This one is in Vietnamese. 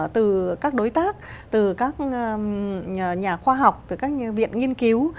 từ các đối tác từ các nhà khoa học từ các viện nghiên cứu